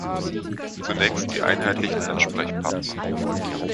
Zunächst die einheitlichen Ansprechpartner.